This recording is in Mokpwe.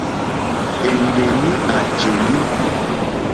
È ɱwèní à jèlí.